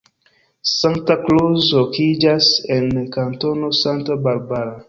Santa Cruz lokiĝas en Kantono Santa Barbara.